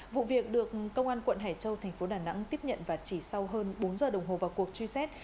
vụ việc được công an quận hải châu thành phố đà nẵng tiếp nhận và chỉ sau hơn bốn giờ đồng hồ vào cuộc truy xét